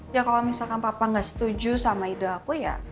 ya kalau misalkan papa nggak setuju sama ide aku ya